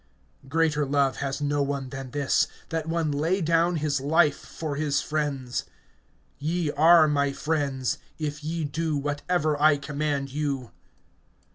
(13)Greater love has no one than this, that one lay down his life for his friends. (14)Ye are my friends, if ye do whatever I command you.